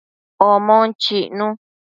Omon chicnu